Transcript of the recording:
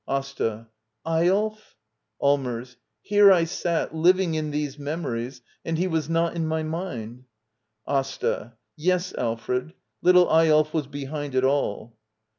AsTA. Eyolf! Allmers. Here I sat, living in these memories — and he was not in my mind. AsTA. Yes, Alfred — little Eyolf was behind it all.